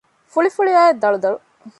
ފުޅިފުޅިއައި ދަޅުދަޅު